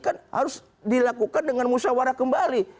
kan harus dilakukan dengan musyawarah kembali